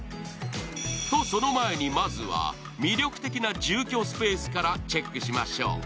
と、その前にまずは魅力的な住居スペースからチェックしましょう。